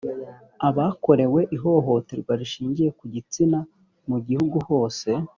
abakorewe ihohoterwa rishingiye ku gitsina mu gihugu hose